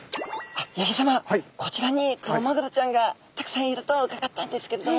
八木さまこちらにクロマグロちゃんがたくさんいると伺ったんですけれども。